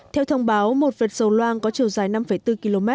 theo thông báo một vệt dầu loang có chiều dài năm bốn km